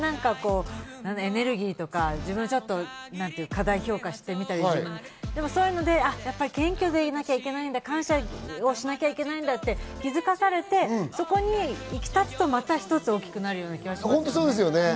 エネルギーとか自分を過大評価してみたり、そういうので謙虚でいなきゃいけないんだ、感謝をしなきゃいけないんだって気づかされて、そこに立つとまた一つ大きくなれますよね。